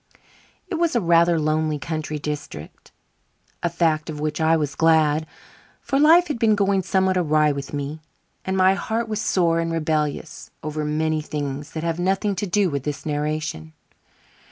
It was a rather lonely country district a fact of which I was glad, for life had been going somewhat awry with me and my heart was sore and rebellious over many things that have nothing to do with this narration.